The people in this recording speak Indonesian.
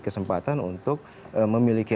kesempatan untuk memiliki